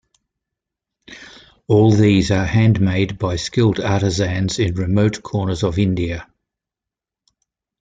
All these are handmade by skilled artisans in remote corners of India.